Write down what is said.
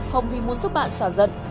hồng vy muốn giúp bạn xả giận